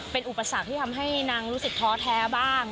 เป็นอุปสรรคที่ทำให้นางรู้สึกท้อแท้บ้าง